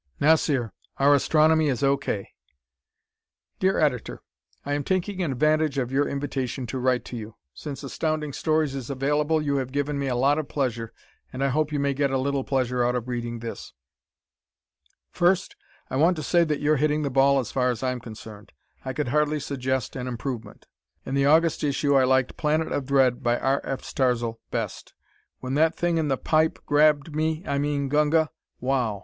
Nossir Our Astronomy Is O. K. Dear Editor: I am taking advantage of your invitation to write to you. Since Astounding Stories is available you have given me a lot of pleasure, and I hope you may get a little pleasure out of reading this. First, I want to say that you're hitting the ball as far as I'm concerned. I could hardly suggest an improvement. In the August issue I liked "Planet of Dread," by R. F. Starzl, best. When that thing in the "pipe" grabbed me, I mean Gunga, wow!